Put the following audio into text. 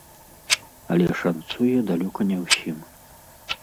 Але шанцуе далёка не ўсім.